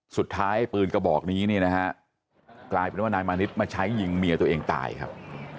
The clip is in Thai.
สุดท้ายปืนกระบอกนี้เนี่ยนะฮะกลายเป็นว่านายมานิดมาใช้ยิงเมียตัวเองตายครับ